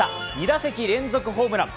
２打席連続ホームラン。